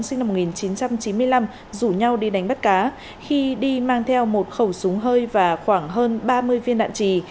sinh năm một nghìn chín trăm chín mươi năm rủ nhau đi đánh bắt cá khi đi mang theo một khẩu súng hơi và khoảng hơn ba mươi viên đạn trì